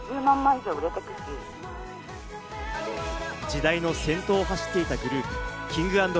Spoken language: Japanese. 時代の先頭を走っていたグループ、Ｋｉｎｇ＆Ｐｒｉｎｃｅ。